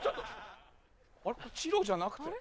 あらチロじゃなくて。